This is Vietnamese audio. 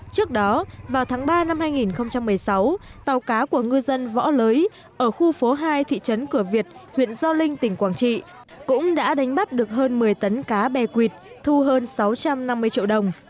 trước đó vào tháng ba năm hai nghìn một mươi sáu tàu cá của ngư dân võ lưới ở khu phố hai thị trấn cửa việt huyện gio linh tỉnh quảng trị cũng đã đánh bắt được hơn một mươi tấn cá bè quỳt thu hơn sáu trăm năm mươi triệu đồng